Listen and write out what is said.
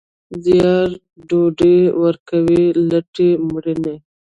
زیار ډوډۍ ورکوي، لټي مړینه.